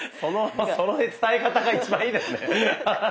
その伝え方が一番いいですね。